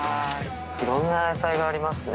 いろんな野菜がありますね